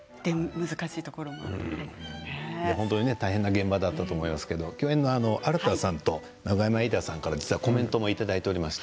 本当に大変な現場だったと思いますけれど共演の新さんと永山瑛太さんからコメントもいただいています。